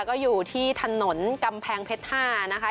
ก็อยู่ที่ถนนกำแพงเพชร๕นะคะ